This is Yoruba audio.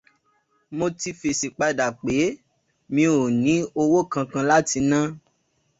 Mo ti fèsì padà pé mi ò ní owó kankan láti ná